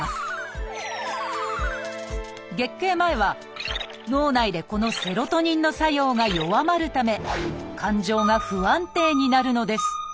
月経前は脳内でこのセロトニンの作用が弱まるため感情が不安定になるのです。